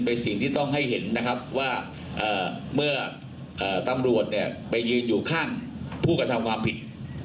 เป็นสิ่งที่ต้องให้เห็นนะครับว่าเมื่อตำรวจเนี่ยไปยืนอยู่ข้างผู้กระทำความผิด